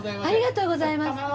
ありがとうございます。